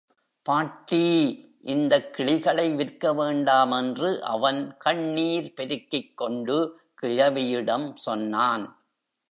பாட்டீ, இந்தக் கிளிகளை விற்கவேண்டாம் என்று அவன் கண்ணீர் பெருக்கிக்கொண்டு கிழவியிடம் சொன்னான்.